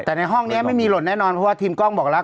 แต่ในห้องนี้ไม่มีหล่นแน่นอนเพราะว่าทีมกล้องบอกแล้ว